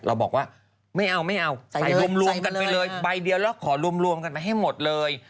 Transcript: เราบอกว่าไม่เอาไม่เอาใส่รวมกันไปเลยใบเดียวแล้วขอรวมกันไปให้หมดเลย